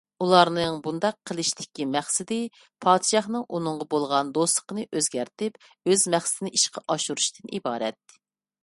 ئۇلارنىڭ بۇنداق قىلىشتىكى مەقسىتى پادىشاھنىڭ ئۇنىڭغا بولغان دوستلۇقىنى ئۆزگەرتىپ، ئۆز مەقسىتىنى ئىشقا ئاشۇرۇشتىن ئىبارەت.